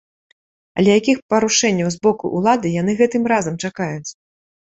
Але якіх парушэнняў з боку ўлады яны гэтым разам чакаюць?